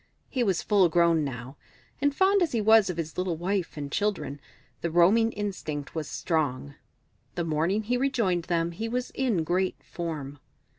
He was full grown now, and fond as he was of his little wife and children, the roaming instinct was strong. The morning he rejoined them he was in great form.